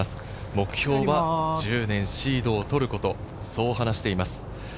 目標は１０年シードを取ること、そう話しています。